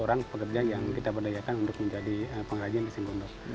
dua belas orang pekerja yang kita berdayakan untuk menjadi pengrajin eceng gondok